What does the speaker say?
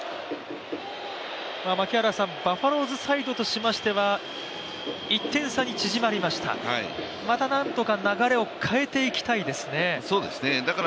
バファローズサイドとしましては、１点差に縮まりました、またなんとか流れを変えていきたいですね。